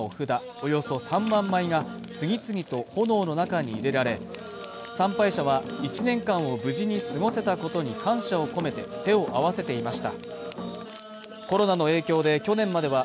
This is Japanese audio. およそ３万枚が次々と炎の中に入れられ参拝者は１年間を無事に過ごせたことに感謝を込めて手を合わせていました